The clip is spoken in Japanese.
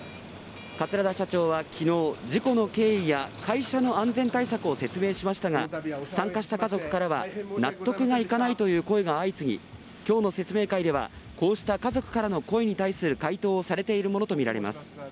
桂田社長は昨日事故の経緯や会社の安全対策を説明しましたが参加した家族からは納得がいかないという声が相次ぎ今日の説明会ではこうした家族からの声に対する回答をされているものとみられます。